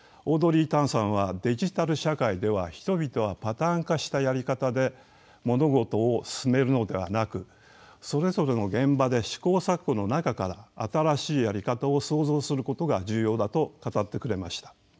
オードリー・タンさんはデジタル社会では人々はパターン化したやり方で物事を進めるのではなくそれぞれの現場で試行錯誤の中から新しいやり方を創造することが重要だと語ってくれました。